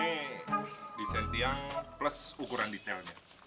nih desain tiang plus ukuran detailnya